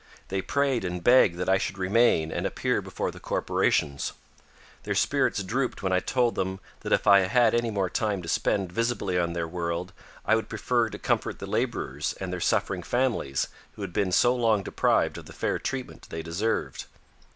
They prayed and begged that I should remain and appear before the corporations. Their spirits drooped when I told them that if I had any more time to spend visibly on their world I would prefer to comfort the laborers and their suffering families who had been so long deprived of the fair treatment they deserved.